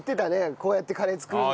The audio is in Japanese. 「こうやってカレー作るんだよ」。